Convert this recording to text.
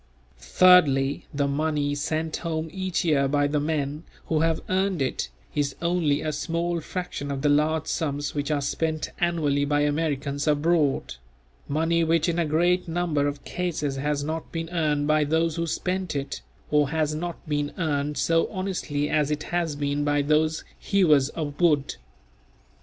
Thirdly, the money sent home each year by the men who have earned it, is only a small fraction of the large sums which are spent annually by Americans abroad; money which in a great number of cases has not been earned by those who spent it, or has not been earned so honestly as it has been by those "hewers of wood."